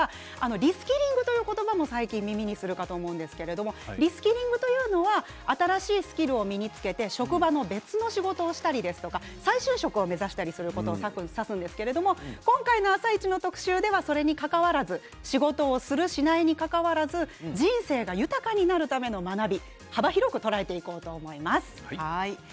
リスキリングという言葉は最近耳にする方、多いと思いますがリスキリングというのは新しいスキルを身につけて職場の別の仕事をしたりとか再就職を目指してすることを指すんですけれど、今回の「あさイチ」の特集ではそれにかかわらず仕事をするしないにかかわらず人生が豊かになるための学び